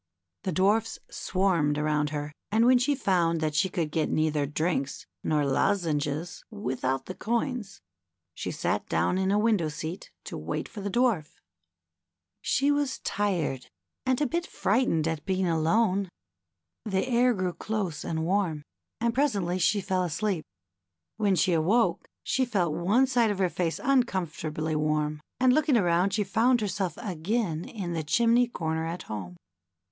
The dwarfs swarmed around her, and w'hen she found that she could get neither drinks nor lozenges without the coins, she sat down in a window seat to wait for the Dwarf. She was tired POLLY'S VISIT TO THE BOOK KITCHEN. i8i and a bit frightened at being alone^ the air grew close and •warm^ and presently she fell asleep. When she awoke she felt one side of her face un comfortably warm, and looking around she found herself again in the chimney corner at home.